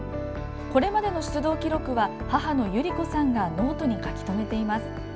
これまでの出動記録は母の百合子さんがノートに書き止めています。